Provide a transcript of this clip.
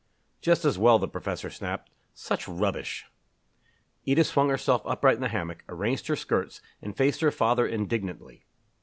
"Just as well!" the professor snapped. "Such rubbish!" Edith swung herself upright in the hammock, arranged her skirts, and faced her father indignantly.